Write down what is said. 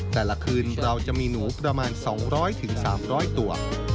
แต่ละคืนเราจะมีหนูประมาณ๒๐๐๓๐๐ตัว